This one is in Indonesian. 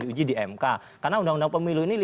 diuji di mk karena undang undang pemilu ini